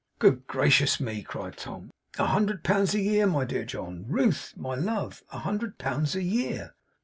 'Good gracious me!' cried Tom; 'a hundred pounds a year! My dear John! Ruth, my love! A hundred pounds a year!